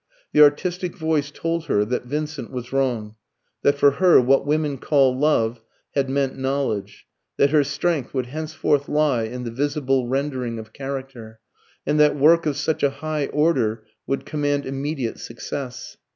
The artistic voice told her that Vincent was wrong; that for her what women call love had meant knowledge; that her strength would henceforth lie in the visible rendering of character; and that work of such a high order would command immediate success.